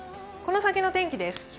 この先の天気です。